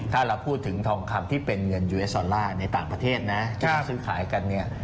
ถ้าเราพูดถึงทองคำที่เป็นเงินยูเอสอลลาร์ในต่างประเทศนะที่เขาซื้อขายกันเนี่ย